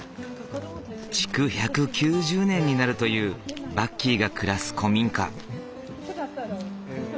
築１９０年になるというバッキーが暮らす古民家。